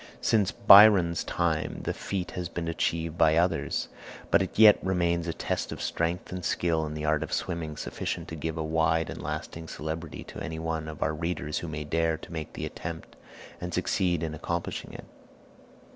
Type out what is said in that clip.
Since Byron's time the feat has been achieved by others; but it yet remains a test of strength and skill in the art of swimming sufficient to give a wide and lasting celebrity to any one of our readers who may dare to make the attempt and succeed in accomplishing it.